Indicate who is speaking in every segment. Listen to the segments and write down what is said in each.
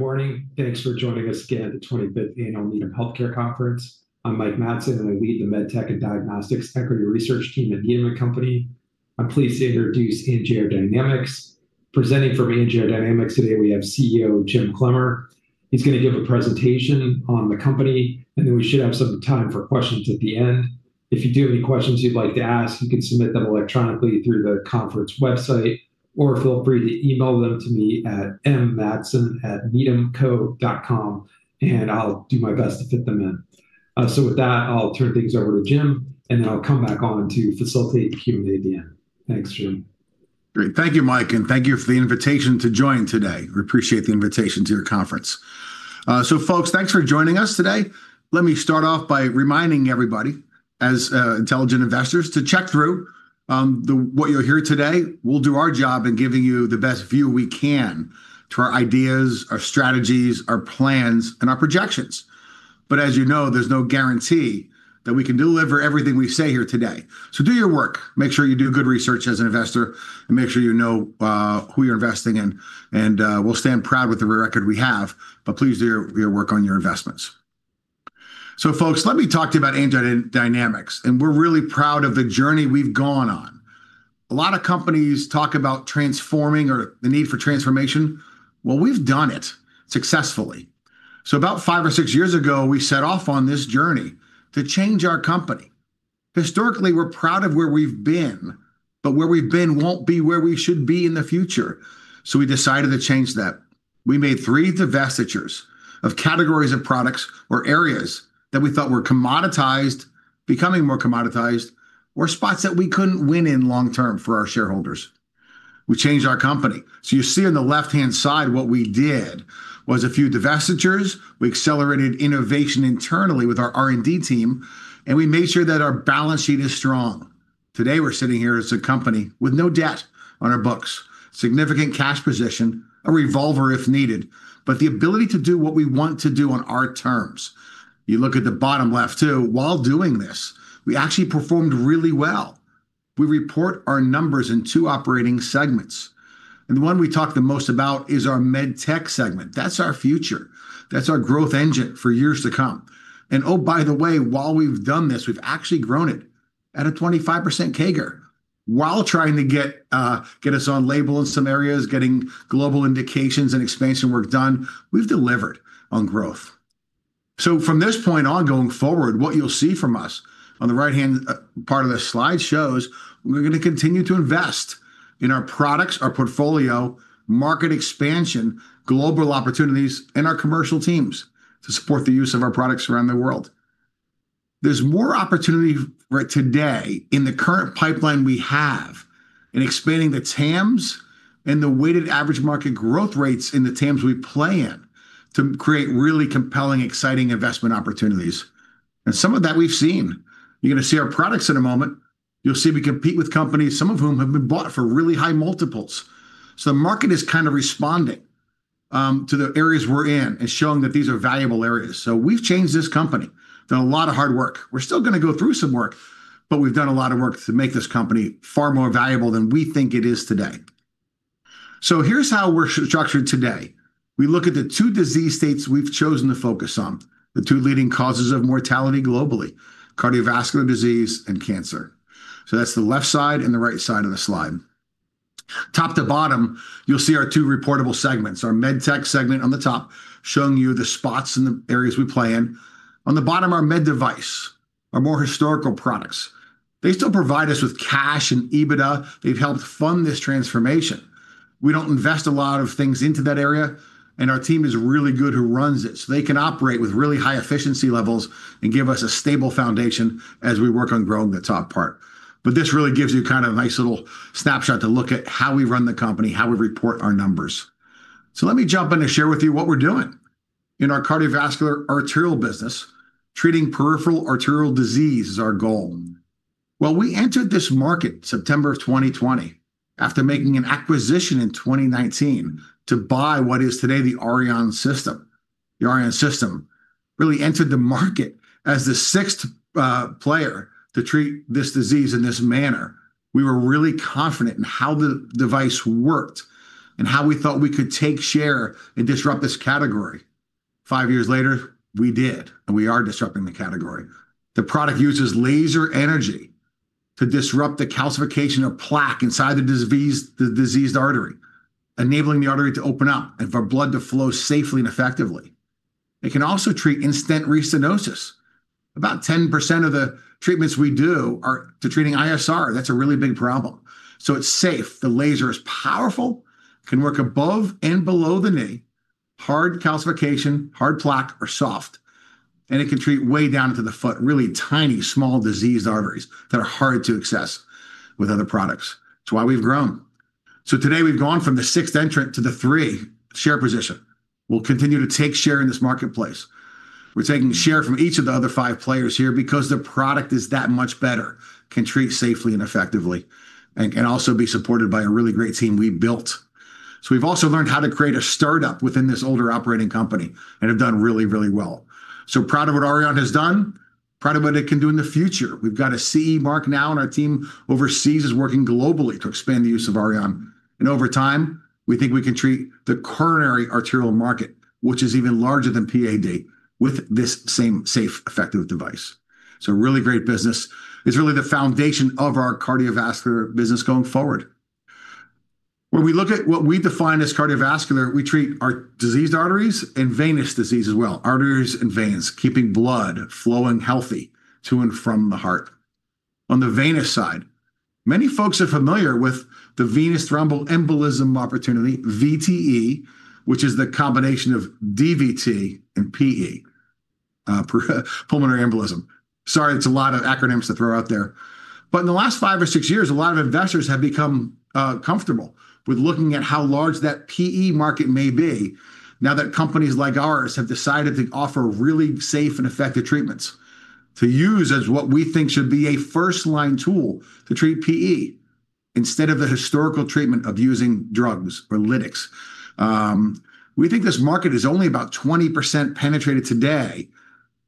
Speaker 1: Good morning. Thanks for joining us again at the 25th Annual Needham Healthcare Conference. I'm Mike Matson, and I lead the MedTech and Diagnostics Equity Research team at Needham & Company. I'm pleased to introduce AngioDynamics. Presenting from AngioDynamics today, we have CEO Jim Clemmer. He's going to give a presentation on the company, and then we should have some time for questions at the end. If you do have any questions you'd like to ask, you can submit them electronically through the conference website, or feel free to email them to me at mmatson@needhamco.com, and I'll do my best to fit them in. With that, I'll turn things over to Jim, and then I'll come back on to facilitate the Q&A at the end. Thanks, Jim.
Speaker 2: Great. Thank you, Mike, and thank you for the invitation to join today. We appreciate the invitation to your conference. Folks, thanks for joining us today. Let me start off by reminding everybody as intelligent investors to check through what you'll hear today. We'll do our job in giving you the best view we can to our ideas, our strategies, our plans, and our projections. As you know, there's no guarantee that we can deliver everything we say here today. Do your work. Make sure you do good research as an investor, and make sure you know who you're investing in. We'll stand proud with the record we have, but please do your work on your investments. Folks, let me talk to you about AngioDynamics, and we're really proud of the journey we've gone on. A lot of companies talk about transforming or the need for transformation. Well, we've done it successfully. About five or six years ago, we set off on this journey to change our company. Historically, we're proud of where we've been, but where we've been won't be where we should be in the future. We decided to change that. We made three divestitures of categories of products or areas that we thought were commoditized, becoming more commoditized, or spots that we couldn't win in long term for our shareholders. We changed our company. You see on the left-hand side what we did was a few divestitures. We accelerated innovation internally with our R&D team, and we made sure that our balance sheet is strong. Today, we're sitting here as a company with no debt on our books, significant cash position, a revolver if needed, but the ability to do what we want to do on our terms. You look at the bottom left, too. While doing this, we actually performed really well. We report our numbers in two operating segments, and the one we talk the most about is our MedTech segment. That's our future. That's our growth engine for years to come. Oh, by the way, while we've done this, we've actually grown it at a 25% CAGR. While trying to get us on label in some areas, getting global indications and expansion work done, we've delivered on growth. From this point on going forward, what you'll see from us on the right-hand part of the slide shows we're going to continue to invest in our products, our portfolio, market expansion, global opportunities, and our commercial teams to support the use of our products around the world. There's more opportunity today in the current pipeline we have in expanding the TAMs and the weighted average market growth rates in the TAMs we play in to create really compelling, exciting investment opportunities. Some of that we've seen. You're going to see our products in a moment. You'll see we compete with companies, some of whom have been bought for really high multiples. The market is kind of responding to the areas we're in and showing that these are valuable areas. We've changed this company, done a lot of hard work. We're still going to go through some work, but we've done a lot of work to make this company far more valuable than we think it is today. Here's how we're structured today. We look at the two disease states we've chosen to focus on, the two leading causes of mortality globally, cardiovascular disease and cancer. That's the left side and the right side of the slide. Top to bottom, you'll see our two reportable segments, our MedTech segment on the top, showing you the spots and the areas we play in. On the bottom, our MedDevice, our more historical products. They still provide us with cash and EBITDA. They've helped fund this transformation. We don't invest a lot of things into that area, and our team is really good who runs it, so they can operate with really high efficiency levels and give us a stable foundation as we work on growing the top part. But this really gives you kind of a nice little snapshot to look at how we run the company, how we report our numbers. So let me jump in to share with you what we're doing. In our cardiovascular arterial business, treating peripheral arterial disease is our goal. Well, we entered this market September of 2020 after making an acquisition in 2019 to buy what is today the Auryon system. The Auryon system really entered the market as the sixth player to treat this disease in this manner. We were really confident in how the device worked and how we thought we could take share and disrupt this category. Five years later, we did, and we are disrupting the category. The product uses laser energy to disrupt the calcification of plaque inside the diseased artery, enabling the artery to open up and for blood to flow safely and effectively. It can also treat in-stent restenosis. About 10% of the treatments we do are to treating ISR. That's a really big problem. It's safe. The laser is powerful, can work above and below the knee, hard calcification, hard plaque, or soft, and it can treat way down into the foot, really tiny, small diseased arteries that are hard to access with other products. It's why we've grown. Today, we've gone from the sixth entrant to the three share position. We'll continue to take share in this marketplace. We're taking share from each of the other five players here because the product is that much better, can treat safely and effectively, and can also be supported by a really great team we built. We've also learned how to create a startup within this older operating company and have done really well. Proud of what Auryon has done. Proud of what it can do in the future. We've got a CE mark now, and our team overseas is working globally to expand the use of Auryon, and over time, we think we can treat the coronary arterial market, which is even larger than PAD, with this same safe, effective device. Really great business. It's really the foundation of our cardiovascular business going forward. When we look at what we define as cardiovascular, we treat our diseased arteries and venous disease as well. Arteries and veins, keeping blood flowing healthy to and from the heart. On the venous side, many folks are familiar with the venous thromboembolism opportunity, VTE, which is the combination of DVT and PE, pulmonary embolism. Sorry, it's a lot of acronyms to throw out there. In the last five or six years, a lot of investors have become comfortable with looking at how large that PE market may be now that companies like ours have decided to offer really safe and effective treatments to use as what we think should be a first-line tool to treat PE instead of the historical treatment of using drugs or lytics. We think this market is only about 20% penetrated today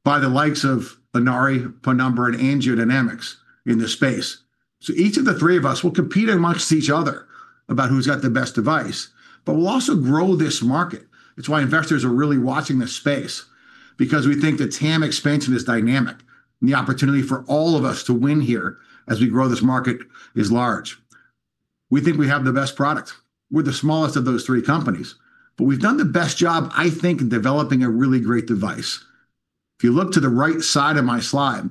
Speaker 2: by the likes of Inari, Penumbra, and AngioDynamics in this space. Each of the three of us will compete amongst each other about who's got the best device, but we'll also grow this market. It's why investors are really watching this space, because we think the TAM expansion is dynamic, and the opportunity for all of us to win here as we grow this market is large. We think we have the best product. We're the smallest of those three companies, but we've done the best job, I think, in developing a really great device. If you look to the right side of my slide,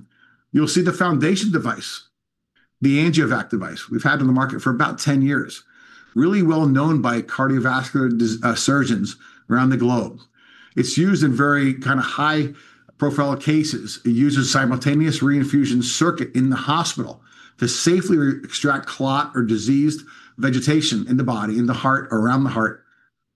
Speaker 2: you'll see the foundation device, the AngioVac device we've had on the market for about 10 years, really well known by cardiovascular surgeons around the globe. It's used in very high-profile cases. It uses simultaneous reinfusion circuit in the hospital to safely extract clot or diseased vegetation in the body, in the heart, around the heart,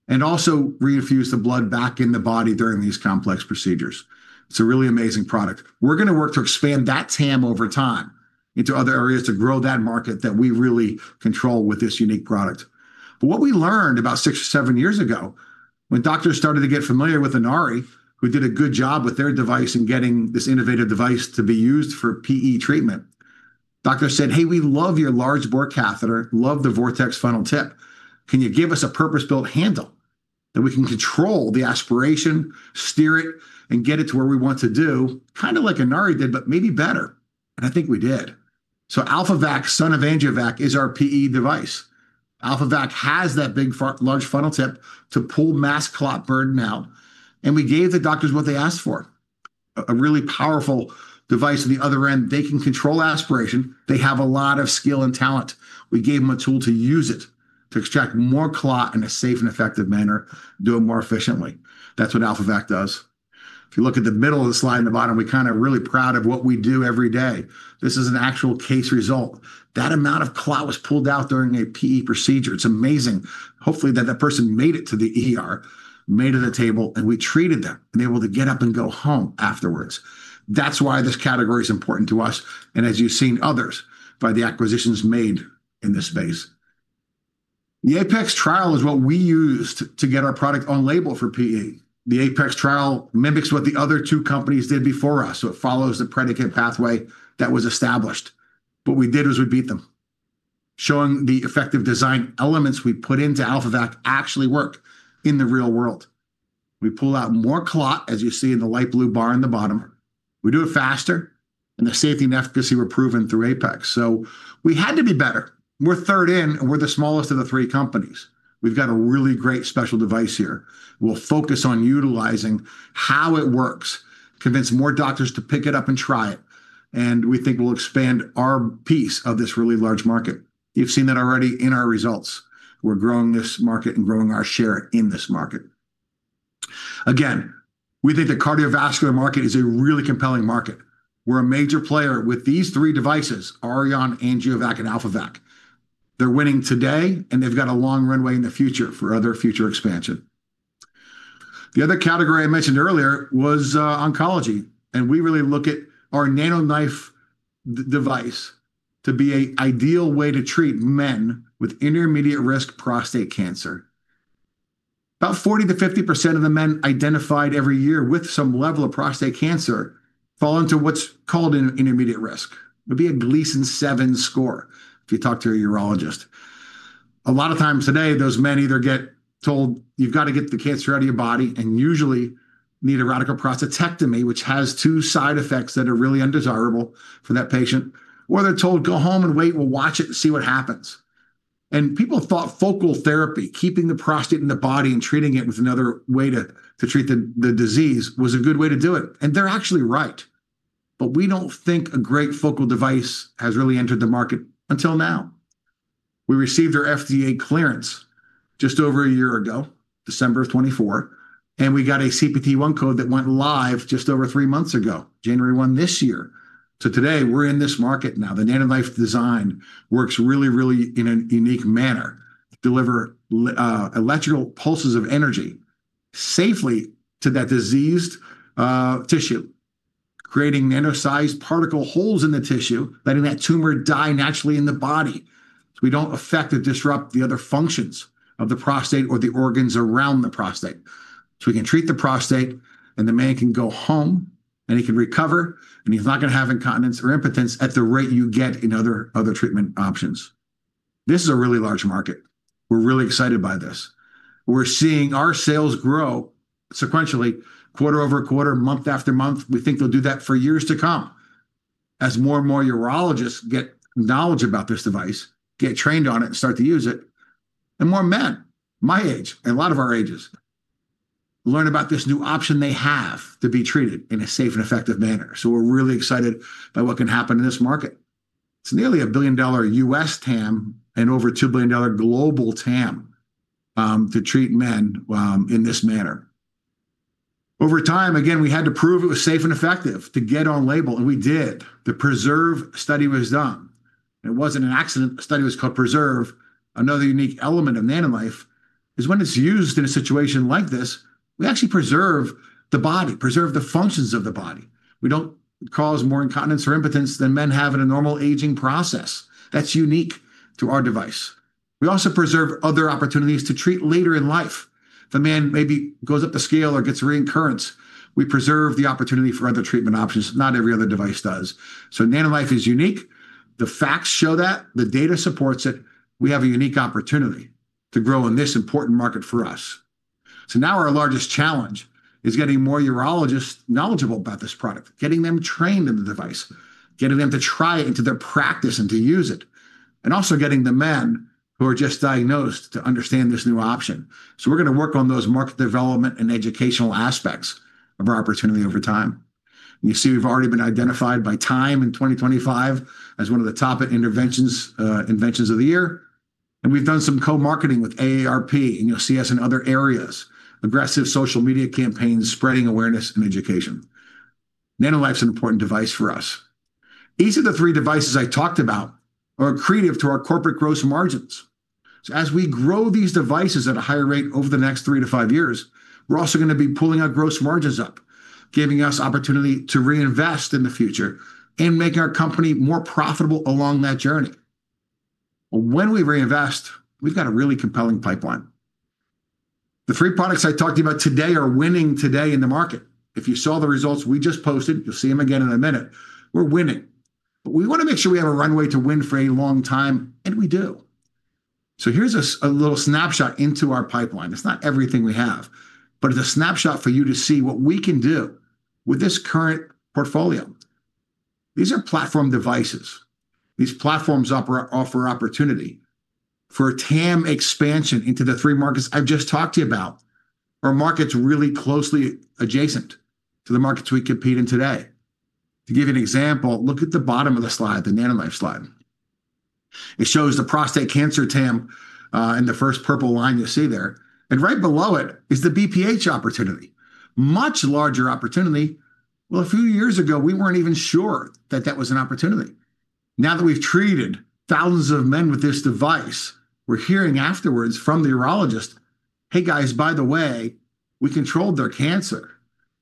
Speaker 2: and also reinfuse the blood back in the body during these complex procedures. It's a really amazing product. We're going to work to expand that TAM over time into other areas to grow that market that we really control with this unique product. What we learned about six or seven years ago when doctors started to get familiar with Inari, who did a good job with their device in getting this innovative device to be used for PE treatment, doctors said, "Hey, we love your large-bore catheter, love the vortex funnel tip. Can you give us a purpose-built handle that we can control the aspiration, steer it, and get it to where we want to do, kind of like Inari did, but maybe better?" I think we did. AlphaVac, son of AngioVac, is our PE device. AlphaVac has that big, large funnel tip to pull mass clot burden out, and we gave the doctors what they asked for, a really powerful device on the other end. They can control aspiration. They have a lot of skill and talent. We gave them a tool to use it to extract more clot in a safe and effective manner, do it more efficiently. That's what AlphaVac does. If you look at the middle of the slide in the bottom, we're kind of really proud of what we do every day. This is an actual case result. That amount of clot was pulled out during a PE procedure. It's amazing. Hopefully, that person made it to the ER, made it to the table, and we treated them and able to get up and go home afterwards. That's why this category is important to us, and as you've seen others by the acquisitions made in this space. The APEX trial is what we used to get our product on label for PE. The APEX trial mimics what the other two companies did before us. It follows the predicate pathway that was established. What we did was we beat them, showing the effective design elements we put into AlphaVac actually work in the real world. We pull out more clot, as you see in the light blue bar on the bottom. We do it faster, and the safety and efficacy were proven through APEX. We had to be better. We're third in, and we're the smallest of the three companies. We've got a really great special device here. We'll focus on utilizing how it works, convince more doctors to pick it up and try it, and we think we'll expand our piece of this really large market. You've seen that already in our results. We're growing this market and growing our share in this market. Again, we think the cardiovascular market is a really compelling market. We're a major player with these three devices, Auryon, AngioVac, and AlphaVac. They're winning today, and they've got a long runway in the future for other future expansion. The other category I mentioned earlier was Oncology, and we really look at our NanoKnife device to be an ideal way to treat men with intermediate-risk prostate cancer. About 40%-50% of the men identified every year with some level of prostate cancer fall into what's called intermediate risk. It would be a Gleason 7 score if you talk to a urologist. A lot of times today, those men either get told, "You've got to get the cancer out of your body," and usually need a radical prostatectomy, which has two side effects that are really undesirable for that patient. They're told, "Go home and wait. We'll watch it and see what happens." People thought focal therapy, keeping the prostate in the body and treating it with another way to treat the disease, was a good way to do it, and they're actually right. We don't think a great focal device has really entered the market until now. We received our FDA clearance just over a year ago, December of 2024, and we got a CPT I code that went live just over three months ago, January 1 this year. Today, we're in this market now. The NanoKnife design works really in a unique manner, deliver electrical pulses of energy safely to that diseased tissue, creating nano-sized particle holes in the tissue, letting that tumor die naturally in the body. We don't affect or disrupt the other functions of the prostate or the organs around the prostate. We can treat the prostate, and the man can go home and he can recover, and he's not going to have incontinence or impotence at the rate you get in other treatment options. This is a really large market. We're really excited by this. We're seeing our sales grow sequentially, quarter-over-quarter, month-after-month. We think they'll do that for years to come as more and more urologists get knowledge about this device, get trained on it, and start to use it, and more men my age, and a lot of our ages, learn about this new option they have to be treated in a safe and effective manner. We're really excited by what can happen in this market. It's nearly a billion-dollar U.S. TAM and over $2 billion global TAM to treat men in this manner. Over time, again, we had to prove it was safe and effective to get on label, and we did. The PRESERVE study was done, and it wasn't an accident the study was called PRESERVE. Another unique element of NanoKnife is when it's used in a situation like this, we actually preserve the body, preserve the functions of the body. We don't cause more incontinence or impotence than men have in a normal aging process. That's unique to our device. We also preserve other opportunities to treat later in life. If a man maybe goes up a scale or gets reoccurrence, we preserve the opportunity for other treatment options. Not every other device does. NanoKnife is unique. The facts show that. The data supports it. We have a unique opportunity to grow in this important market for us. Now our largest challenge is getting more urologists knowledgeable about this product, getting them trained in the device, getting them to try it into their practice and to use it, and also getting the men who are just diagnosed to understand this new option. We're going to work on those market development and educational aspects of our opportunity over time. You see, we've already been identified by TIME in 2025 as one of the top inventions of the year. We've done some co-marketing with AARP. You'll see us in other areas, aggressive social media campaigns, spreading awareness and education. NanoKnife's an important device for us. Each of the three devices I talked about are accretive to our corporate gross margins. As we grow these devices at a higher rate over the next three to five years, we're also going to be pulling our gross margins up, giving us opportunity to reinvest in the future and make our company more profitable along that journey. When we reinvest, we've got a really compelling pipeline. The three products I talked to you about today are winning today in the market. If you saw the results we just posted, you'll see them again in a minute. We're winning. We want to make sure we have a runway to win for a long time, and we do. Here's a little snapshot into our pipeline. It's not everything we have, but it's a snapshot for you to see what we can do with this current portfolio. These are platform devices. These platforms offer opportunity for TAM expansion into the three markets I've just talked to you about. Our market's really closely adjacent to the markets we compete in today. To give you an example, look at the bottom of the slide, the NanoKnife slide. It shows the prostate cancer TAM, in the first purple line you'll see there. Right below it is the BPH opportunity, much larger opportunity. Well, a few years ago, we weren't even sure that that was an opportunity. Now that we've treated thousands of men with this device, we're hearing afterwards from the urologist, "Hey, guys, by the way, we controlled their cancer,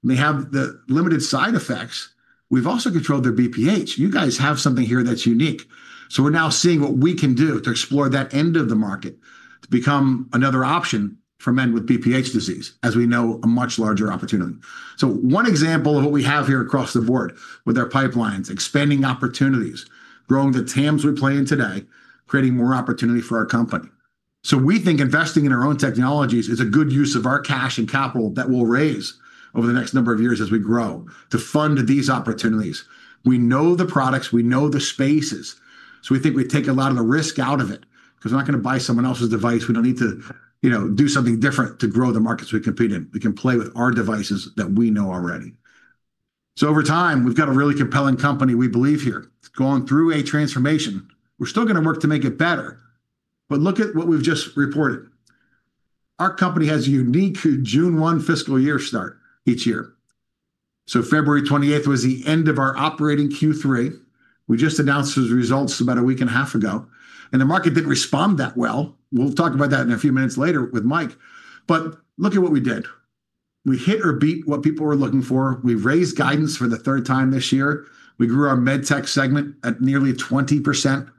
Speaker 2: and they have the limited side effects. We've also controlled their BPH. You guys have something here that's unique." We're now seeing what we can do to explore that end of the market to become another option for men with BPH disease, as we know, a much larger opportunity. One example of what we have here across the board with our pipelines, expanding opportunities, growing the TAMs we play in today, creating more opportunity for our company. We think investing in our own technologies is a good use of our cash and capital that we'll raise over the next number of years as we grow to fund these opportunities. We know the products, we know the spaces, so we think we take a lot of the risk out of it, because we're not going to buy someone else's device. We don't need to do something different to grow the markets we compete in. We can play with our devices that we know already. Over time, we've got a really compelling company we believe here. It's gone through a transformation. We're still going to work to make it better, but look at what we've just reported. Our company has a unique June one fiscal year start each year. February 28th was the end of our operating Q3. We just announced those results about a week and a half ago, and the market didn't respond that well. We'll talk about that in a few minutes later with Mike. Look at what we did. We hit or beat what people were looking for. We've raised guidance for the third time this year. We grew our MedTech segment at nearly 20%.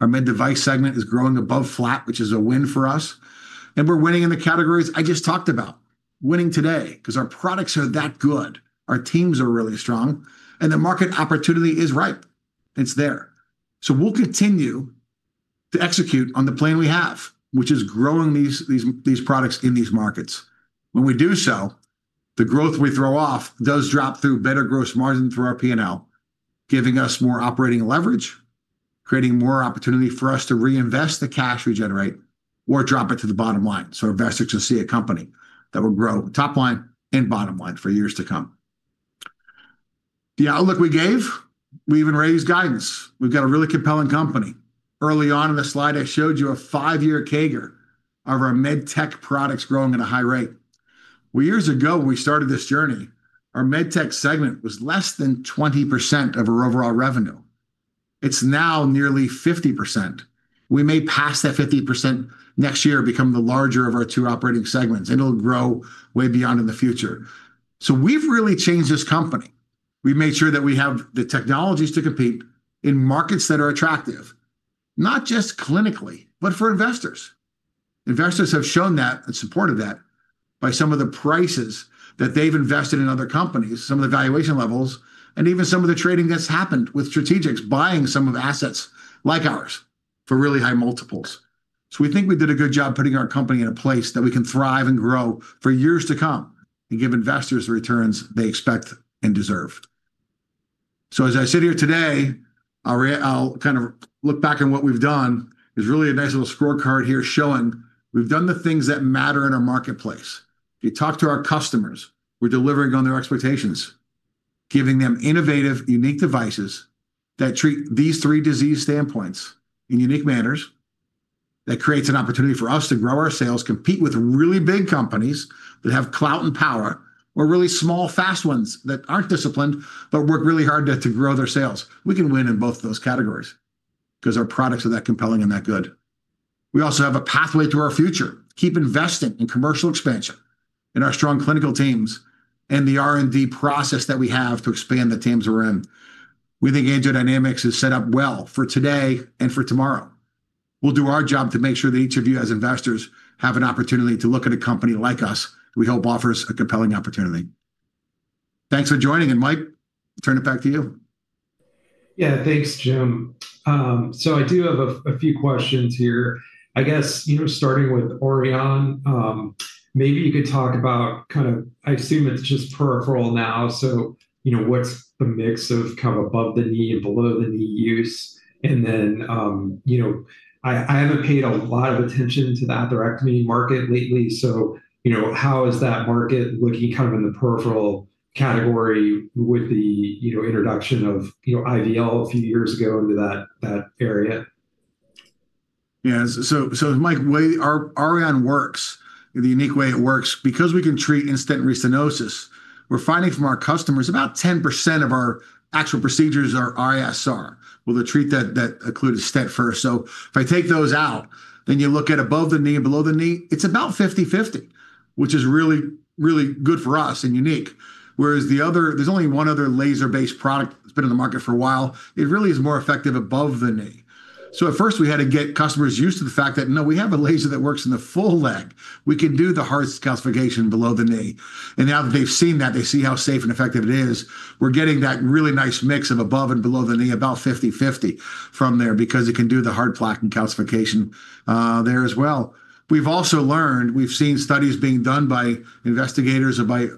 Speaker 2: Our MedDevice segment is growing above flat, which is a win for us, and we're winning in the categories I just talked about. Winning today, because our products are that good, our teams are really strong, and the market opportunity is ripe. It's there. We'll continue to execute on the plan we have, which is growing these products in these markets. When we do so, the growth we throw off does drop through better gross margin through our P&L, giving us more operating leverage, creating more opportunity for us to reinvest the cash we generate or drop it to the bottom line. Investors will see a company that will grow top line and bottom line for years to come. The outlook we gave, we even raised guidance. We've got a really compelling company. Early on in the slide, I showed you a five-year CAGR of our MedTech products growing at a high rate. Well, years ago, when we started this journey, our MedTech segment was less than 20% of our overall revenue. It's now nearly 50%. We may pass that 50% next year, become the larger of our two operating segments, and it'll grow way beyond in the future. We've really changed this company. We made sure that we have the technologies to compete in markets that are attractive, not just clinically, but for investors. Investors have shown that and supported that by some of the prices that they've invested in other companies, some of the valuation levels, and even some of the trading that's happened with strategics, buying some of the assets like ours for really high multiples. We think we did a good job putting our company in a place that we can thrive and grow for years to come and give investors the returns they expect and deserve. As I sit here today, I'll look back on what we've done, there's really a nice little scorecard here showing we've done the things that matter in our marketplace. If you talk to our customers, we're delivering on their expectations, giving them innovative, unique devices that treat these three disease standpoints in unique manners. That creates an opportunity for us to grow our sales, compete with really big companies that have clout and power, or really small, fast ones that aren't disciplined, but work really hard to grow their sales. We can win in both of those categories because our products are that compelling and that good. We also have a pathway to our future. Keep investing in commercial expansion, in our strong clinical teams, and the R&D process that we have to expand the TAMs we're in. We think AngioDynamics is set up well for today and for tomorrow. We'll do our job to make sure that each of you, as investors, have an opportunity to look at a company like us that we hope offers a compelling opportunity. Thanks for joining, and Mike, turn it back to you.
Speaker 1: Yeah, thanks, Jim. I do have a few questions here. I guess, starting with Auryon, maybe you could talk about, I assume it's just peripheral now, what's the mix of above the knee and below the knee use? I haven't paid a lot of attention to that atherectomy market lately. How is that market looking in the peripheral category with the introduction of IVL a few years ago into that area?
Speaker 2: Yeah. Mike, the way Auryon works, and the unique way it works, because we can treat in-stent restenosis, we're finding from our customers about 10% of our actual procedures are ISR, where they treat that occluded stent first. If I take those out, then you look at above the knee and below the knee, it's about 50/50, which is really, really good for us, and unique. Whereas the other, there's only one other laser-based product that's been on the market for a while. It really is more effective above the knee. At first, we had to get customers used to the fact that no, we have a laser that works in the full leg. We can do the hardest calcification below the knee. Now that they've seen that, they see how safe and effective it is. We're getting that really nice mix of above and below the knee, about 50/50 from there, because it can do the hard plaque and calcification there as well. We've also learned, we've seen studies being done by investigators or by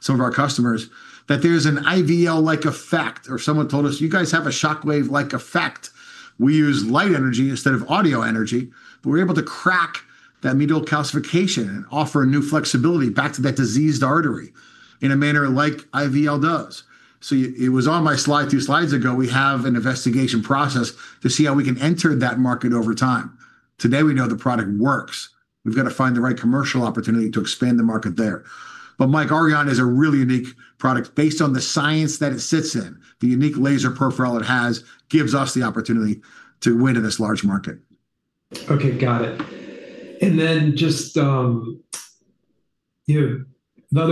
Speaker 2: some of our customers, that there's an IVL-like effect, or someone told us, "You guys have a shockwave-like effect." We use light energy instead of audio energy, but we're able to crack that medial calcification and offer a new flexibility back to that diseased artery in a manner like IVL does. It was on my slide two slides ago. We have an investigation process to see how we can enter that market over time. Today, we know the product works. We've got to find the right commercial opportunity to expand the market there. Mike, Auryon is a really unique product based on the science that it sits in. The unique laser peripheral it has gives us the opportunity to win in this large market.
Speaker 1: Okay, got it. Just another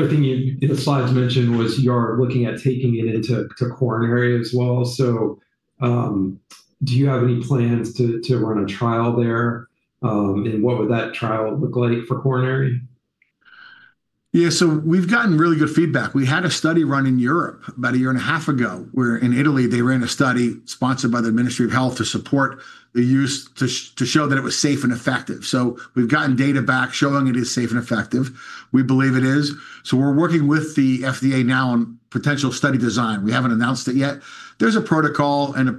Speaker 1: thing in the slides you mentioned was you're looking at taking it into coronary as well. Do you have any plans to run a trial there? What would that trial look like for coronary?
Speaker 2: Yeah. We've gotten really good feedback. We had a study run in Europe about a year and a half ago, where in Italy, they ran a study sponsored by the Ministry of Health to support the use to show that it was safe and effective. We've gotten data back showing it is safe and effective. We believe it is. We're working with the FDA now on potential study design. We haven't announced it yet. There's a protocol in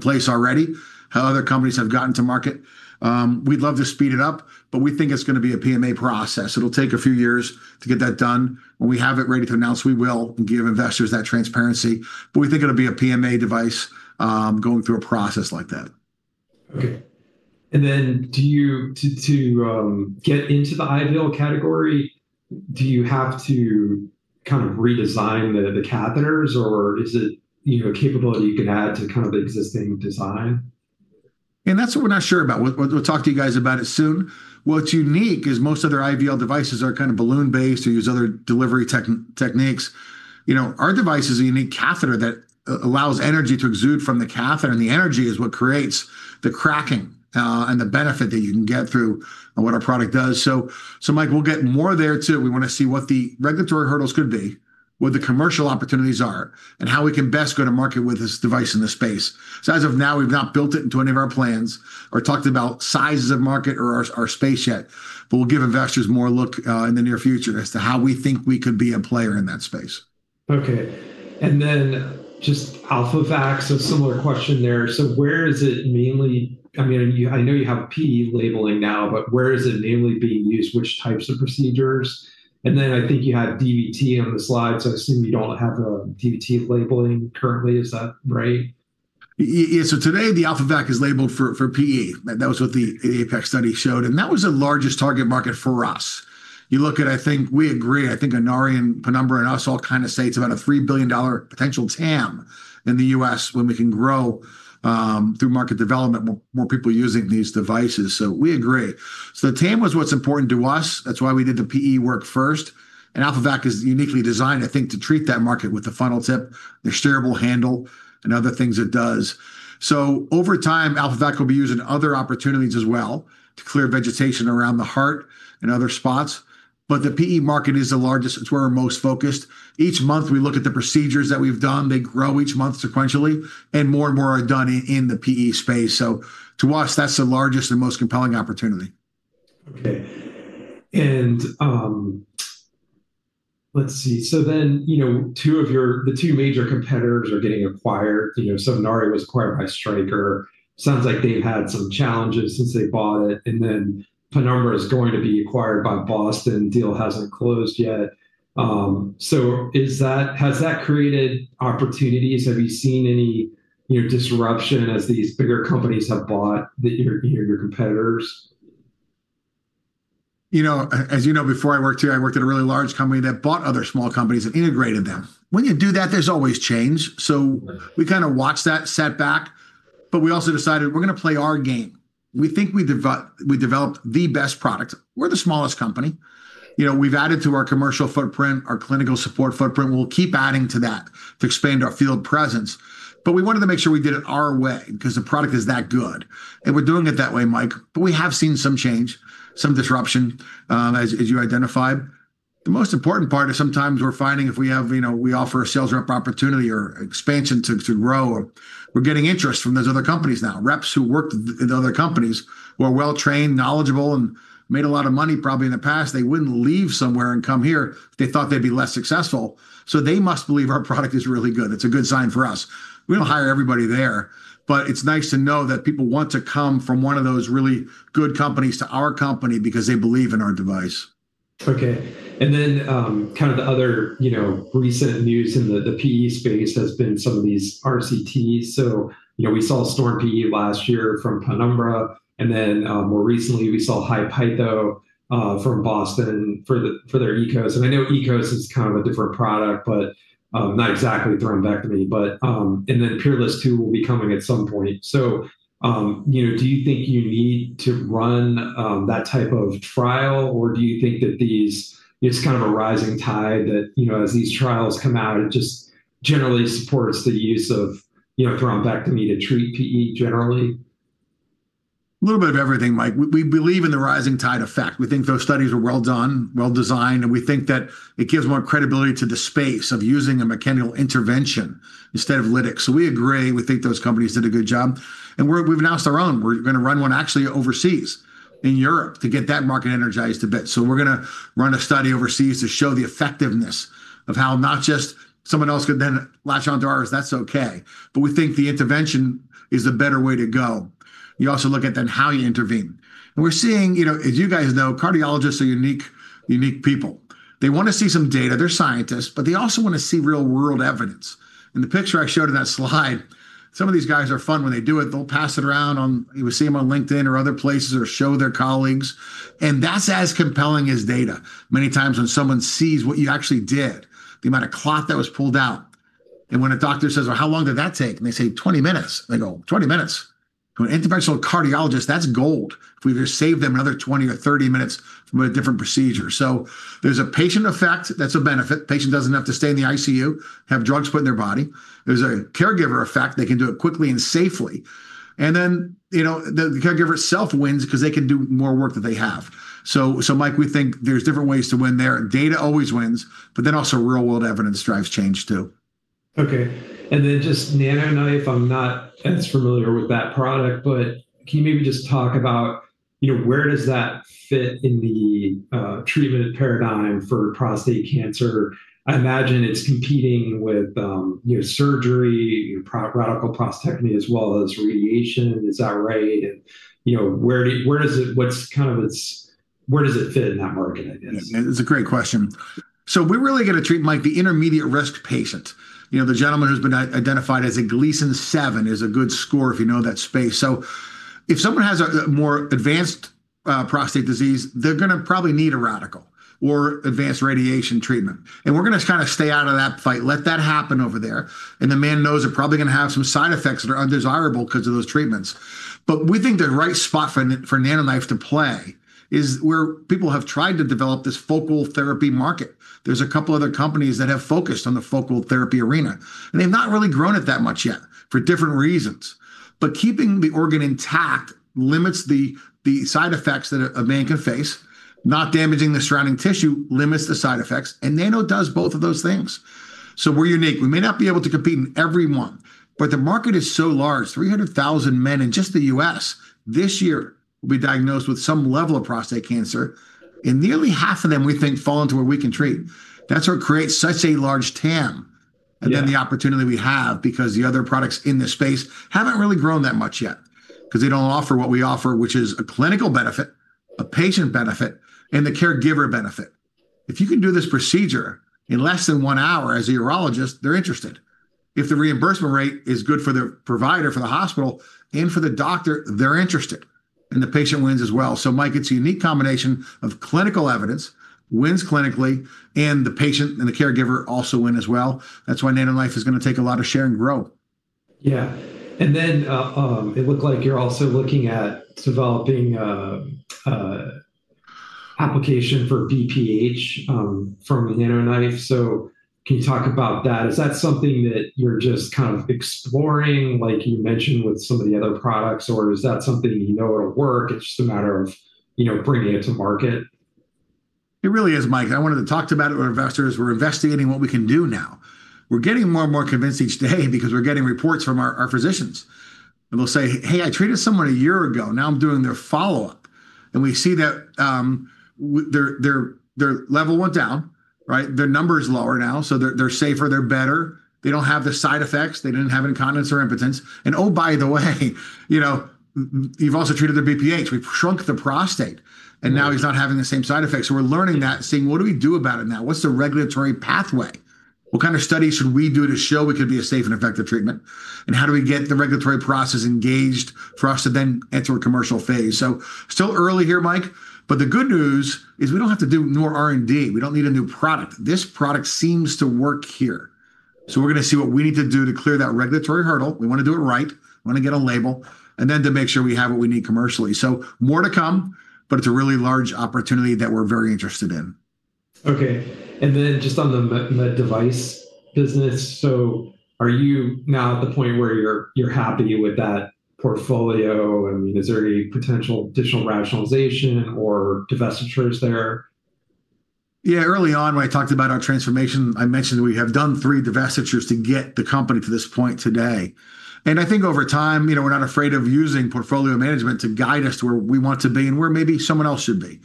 Speaker 2: place already, how other companies have gotten to market. We'd love to speed it up, but we think it's going to be a PMA process. It'll take a few years to get that done. When we have it ready to announce, we will give investors that transparency, but we think it'll be a PMA device, going through a process like that.
Speaker 1: Okay. To get into the IVL category, do you have to kind of redesign the catheters, or is it a capability you can add to kind of the existing design?
Speaker 2: That's what we're not sure about. We'll talk to you guys about it soon. What's unique is most other IVL devices are kind of balloon-based or use other delivery techniques. Our device is a unique catheter that allows energy to exude from the catheter, and the energy is what creates the cracking, and the benefit that you can get through what our product does. Mike, we'll get more there too. We want to see what the regulatory hurdles could be, what the commercial opportunities are, and how we can best go to market with this device in the space. As of now, we've not built it into any of our plans or talked about sizes of market or our space yet. We'll give investors more look in the near future as to how we think we could be a player in that space.
Speaker 1: Okay. Just AlphaVac, a similar question there. I know you have PE labeling now, but where is it mainly being used? Which types of procedures? I think you had DVT on the slide, so I assume you don't have a DVT labeling currently, is that right?
Speaker 2: Yeah. Today the AlphaVac is labeled for PE. That was what the APEX study showed, and that was the largest target market for us. You look at, I think we agree, I think Inari and Penumbra and us all kind of say it's about a three-billion-dollar potential TAM in the U.S. when we can grow through market development, more people using these devices. We agree. TAM was what's important to us. That's why we did the PE work first. AlphaVac is uniquely designed, I think, to treat that market with the funnel tip, the steerable handle, and other things it does. Over time, AlphaVac will be used in other opportunities as well to clear vegetation around the heart and other spots. The PE market is the largest. It's where we're most focused. Each month, we look at the procedures that we've done. They grow each month sequentially, and more and more are done in the PE space. To us, that's the largest and most compelling opportunity.
Speaker 1: Okay. Let's see. The two major competitors are getting acquired. Inari was acquired by Stryker. Sounds like they've had some challenges since they bought it. Penumbra is going to be acquired by Boston. Deal hasn't closed yet. Has that created opportunities? Have you seen any disruption as these bigger companies have bought your competitors?
Speaker 2: As you know, before I worked here, I worked at a really large company that bought other small companies and integrated them. When you do that, there's always change. We kind of watched that setback, but we also decided we're going to play our game. We think we developed the best product. We're the smallest company. We've added to our commercial footprint, our clinical support footprint. We'll keep adding to that to expand our field presence. We wanted to make sure we did it our way because the product is that good. We're doing it that way, Mike. We have seen some change, some disruption, as you identified. The most important part is sometimes we're finding if we offer a sales rep opportunity or expansion to grow, we're getting interest from those other companies now. Reps who worked in other companies who are well-trained, knowledgeable, and made a lot of money probably in the past, they wouldn't leave somewhere and come here if they thought they'd be less successful. They must believe our product is really good. That's a good sign for us. We don't hire everybody there, but it's nice to know that people want to come from one of those really good companies to our company because they believe in our device.
Speaker 1: Okay. Kind of the other recent news in the PE space has been some of these RCTs. We saw STORM-PE last year from Penumbra, and then more recently, we saw HI-PEITHO from Boston for their EKOS. I know EKOS is kind of a different product, but not exactly thrombectomy. PEERLESS II will be coming at some point. Do you think you need to run that type of trial, or do you think that it's kind of a rising tide that, as these trials come out, it just generally supports the use of thrombectomy to treat PE generally?
Speaker 2: A little bit of everything, Mike. We believe in the rising tide effect. We think those studies are well done, well-designed, and we think that it gives more credibility to the space of using a mechanical intervention instead of lytics. We agree. We think those companies did a good job. We've announced our own. We're going to run one actually overseas in Europe to get that market energized a bit. We're going to run a study overseas to show the effectiveness of how not just someone else could then latch onto ours. That's okay. We think the intervention is the better way to go. You also look at then how you intervene. We're seeing, as you guys know, cardiologists are unique people. They want to see some data. They're scientists, but they also want to see real-world evidence. In the picture I showed in that slide, some of these guys are fun when they do it. You will see them on LinkedIn or other places or show their colleagues, and that's as compelling as data. Many times when someone sees what you actually did, the amount of clot that was pulled out, and when a doctor says, "Well, how long did that take?" they say, "20 minutes." They go, "20 minutes?" To an interventional cardiologist, that's gold if we just saved them another 20 or 30 minutes from a different procedure. There's a patient effect, that's a benefit. Patient doesn't have to stay in the ICU, have drugs put in their body. There's a caregiver effect. They can do it quickly and safely. The caregiver itself wins because they can do more work that they have. Mike, we think there's different ways to win there. Data always wins. Also real-world evidence drives change, too.
Speaker 1: Okay. Just NanoKnife, I'm not as familiar with that product, but can you maybe just talk about where does that fit in the treatment paradigm for prostate cancer? I imagine it's competing with surgery, radical prostatectomy, as well as radiation. Is that right? Where does it fit in that market, I guess?
Speaker 2: It's a great question. We really get to treat, Mike, the intermediate-risk patient. The gentleman who's been identified as a Gleason 7 is a good score if you know that space. If someone has a more advanced prostate disease, they're going to probably need a radical or advanced radiation treatment. We're going to kind of stay out of that fight, let that happen over there. The man knows they're probably going to have some side effects that are undesirable because of those treatments. We think the right spot for NanoKnife to play is where people have tried to develop this focal therapy market. There's a couple other companies that have focused on the focal therapy arena, and they've not really grown it that much yet for different reasons. Keeping the organ intact limits the side effects that a man can face. Not damaging the surrounding tissue limits the side effects, and Nano does both of those things. We're unique. We may not be able to compete in every one, but the market is so large. 300,000 men in just the U.S. this year will be diagnosed with some level of prostate cancer, and nearly half of them, we think, fall into where we can treat. That's what creates such a large TAM. The opportunity we have because the other products in this space haven't really grown that much yet, because they don't offer what we offer, which is a clinical benefit, a patient benefit, and the caregiver benefit, if you can do this procedure in less than one hour as a urologist, they're interested. If the reimbursement rate is good for the provider, for the hospital, and for the doctor, they're interested, and the patient wins as well. Mike, it's a unique combination of clinical evidence, wins clinically, and the patient and the caregiver also win as well. That's why NanoKnife is going to take a lot of share and grow.
Speaker 1: Yeah. It looked like you're also looking at developing an application for BPH from the NanoKnife. Can you talk about that? Is that something that you're just kind of exploring, like you mentioned with some of the other products? Is that something you know will work, it's just a matter of bringing it to market?
Speaker 2: It really is, Mike. I wanted to talk about it with investors. We're investigating what we can do now. We're getting more and more convinced each day because we're getting reports from our physicians. They'll say, hey, I treated someone a year ago. Now I'm doing their follow-up. We see that their level went down, their number is lower now, so they're safer, they're better. They don't have the side effects. They didn't have incontinence or impotence. Oh, by the way you've also treated their BPH. We've shrunk the prostate. Now he's not having the same side effects. We're learning that, seeing what do we do about it now? What's the regulatory pathway? What kind of study should we do to show it could be a safe and effective treatment? How do we get the regulatory process engaged for us to then enter a commercial phase? Still early here, Mike, but the good news is we don't have to do more R&D. We don't need a new product. This product seems to work here. We're going to see what we need to do to clear that regulatory hurdle. We want to do it right, want to get a label, and then to make sure we have what we need commercially. More to come, but it's a really large opportunity that we're very interested in.
Speaker 1: Okay. Just on the MedDevice business, so are you now at the point where you're happy with that portfolio? I mean, is there any potential additional rationalization or divestitures there?
Speaker 2: Yeah. Early on when I talked about our transformation, I mentioned we have done three divestitures to get the company to this point today. I think over time, we're not afraid of using portfolio management to guide us to where we want to be and where maybe someone else should be.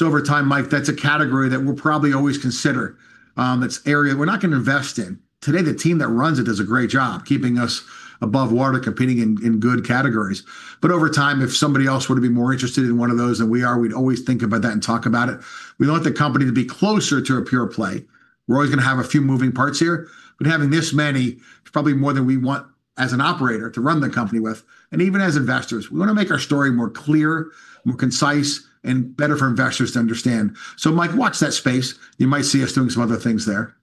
Speaker 2: Over time, Mike, that's a category that we'll probably always consider. It's area we're not going to invest in. Today, the team that runs it does a great job keeping us above water, competing in good categories. Over time, if somebody else were to be more interested in one of those than we are, we'd always think about that and talk about it. We want the company to be closer to a pure play. We're always going to have a few moving parts here, but having this many is probably more than we want as an operator to run the company with, even as investors. We want to make our story more clear, more concise, and better for investors to understand. Mike, watch that space. You might see us doing some other things there.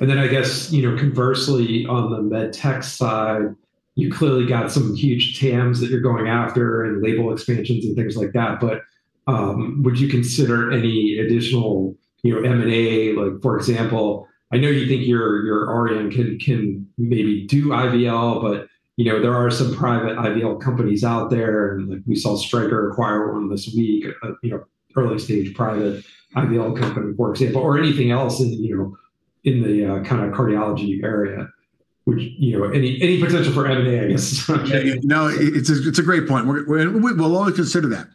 Speaker 1: I guess, conversely on the MedTech side, you clearly got some huge TAMs that you're going after and label expansions and things like that. Would you consider any additional M&A? Like for example, I know you think your Auryon can maybe do IVL, but there are some private IVL companies out there, and we saw Stryker acquire one this week, early stage private IVL company, for example, or anything else in the kind of cardiology area. Any potential for M&A, I guess?
Speaker 2: No, it's a great point. We'll always consider that.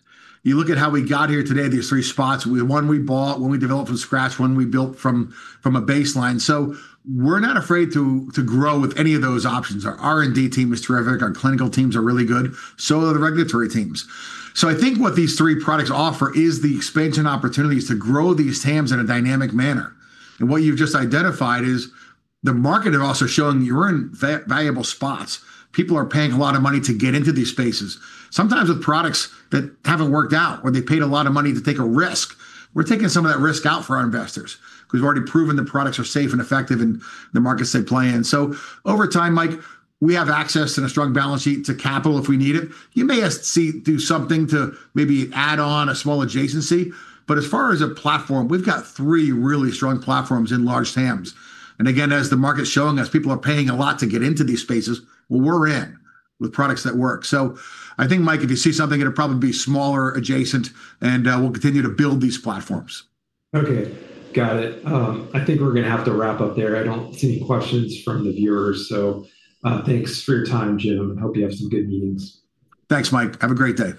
Speaker 2: You look at how we got here today, these three spots, one we bought, one we developed from scratch, one we built from a baseline. We're not afraid to grow with any of those options. Our R&D team is terrific, our clinical teams are really good, so are the regulatory teams. I think what these three products offer is the expansion opportunities to grow these TAMs in a dynamic manner. What you've just identified is the market is also showing you're in valuable spots. People are paying a lot of money to get into these spaces, sometimes with products that haven't worked out or they paid a lot of money to take a risk. We're taking some of that risk out for our investors because we've already proven the products are safe and effective in the markets they play in. Over time, Mike, we have access and a strong balance sheet to capital if we need it. You may do something to maybe add on a small adjacency, but as far as a platform, we've got three really strong platforms in large TAMs. Again, as the market's showing us, people are paying a lot to get into these spaces, well, we're in with products that work. I think, Mike, if you see something, it'll probably be smaller adjacent, and we'll continue to build these platforms.
Speaker 1: Okay. Got it. I think we're going to have to wrap up there. I don't see any questions from the viewers, so thanks for your time, Jim, and hope you have some good meetings.
Speaker 2: Thanks, Mike. Have a great day.